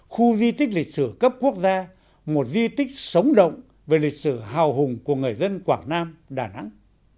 khu di tích lịch sử cấp quốc gia một di tích sống động về lịch sử hào hùng của người dân quảng nam đà nẵng